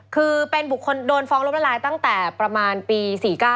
คือเป็นบุคคลโดนฟ้องล้มละลายตั้งแต่ประมาณปี๔๙